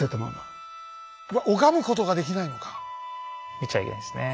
見ちゃいけないんですね。